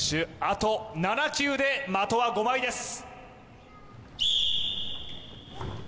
あと７球で的は５枚です